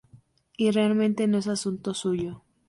Y realmente, no es asunto suyo.